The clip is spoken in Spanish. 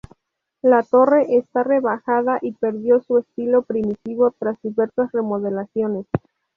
La torre está rebajada y perdió su estilo primitivo tras diversas remodelaciones.